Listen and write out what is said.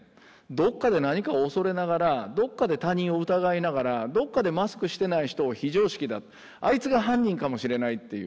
どっかで何かを恐れながらどっかで他人を疑いながらどっかでマスクしてない人を「非常識だあいつが犯人かもしれない」っていう。